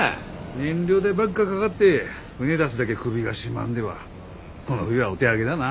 燃料代ばっかかがって船出すだげ首が絞まんではこの冬はお手上げだな。